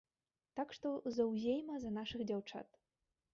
Так што заўзейма за нашых дзяўчат!